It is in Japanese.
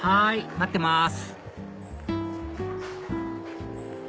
待ってます